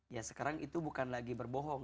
ya sekarang itu bukan lagi berbohong